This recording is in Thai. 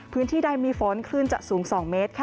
พื้นที่ใดมีฝนคลื่นจะสูง๒เมตรค่ะ